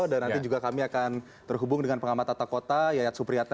dan nanti juga kami akan terhubung dengan pengamat tata kota yayat supriyatnya